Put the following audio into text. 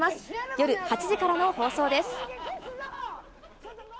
夜８時からの放送です。